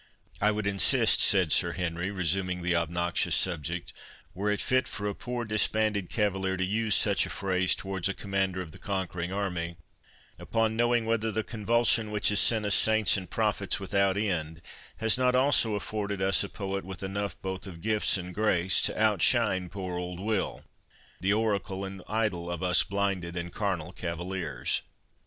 "I would insist," said Sir Henry, resuming the obnoxious subject, "were it fit for a poor disbanded cavalier to use such a phrase towards a commander of the conquering army,—upon, knowing whether the convulsion which has sent us saints and prophets without end, has not also afforded us a poet with enough both of gifts and grace to outshine poor old Will, the oracle and idol of us blinded and carnal cavaliers."